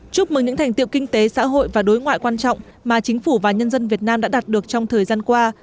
chúc mừng những thành tiệu kinh tế xã hội và đối ngoại quan trọng mà chính phủ và nhân dân việt nam đã đạt được trong thời gian qua